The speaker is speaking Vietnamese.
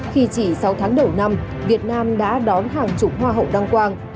khi chỉ sáu tháng đầu năm việt nam đã đón hàng chục hoa hậu đăng quang